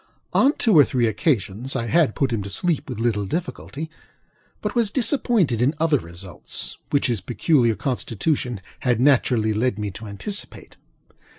On two or three occasions I had put him to sleep with little difficulty, but was disappointed in other results which his peculiar constitution had naturally led me to anticipate.